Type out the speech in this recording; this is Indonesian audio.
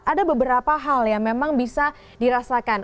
ada beberapa hal yang memang bisa dirasakan